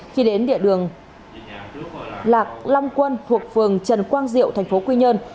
khi đến địa đường lạc long quân thuộc phường trần quang diệu thành phố quy nhơn